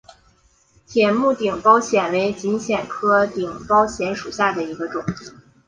铃木顶苞藓为锦藓科顶苞藓属下的一个种。